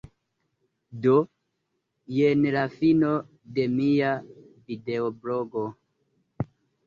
Do, jen la fino de mia videoblogo.